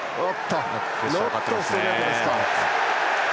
ノットストレートですか。